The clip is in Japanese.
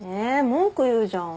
文句言うじゃん。